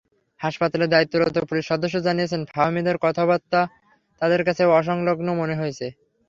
হাসপাতালে দায়িত্বরত পুলিশ সদস্য জানিয়েছেন, ফাহমিদার কথাবার্তা তাঁদের কাছে অসংলগ্ন মনে হয়েছে।